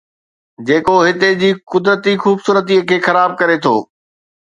جيڪو هتي جي قدرتي خوبصورتي کي خراب ڪري ٿو